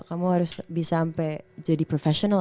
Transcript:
kamu harus bisa sampai jadi profesional